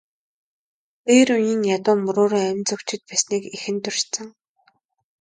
Дээр үеийн ядуу мөрөөрөө амь зуугчид байсныг эхэнд дурдсан.